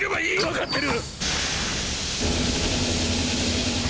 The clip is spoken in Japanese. わかってる！！